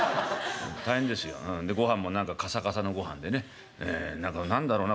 大変ですよ。でごはんも何かカサカサのごはんでねええ何だろうな